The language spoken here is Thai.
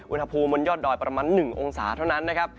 อุณหภูมิบนยอดดอยประมาณ๑องศาเท่านั้นนะครับ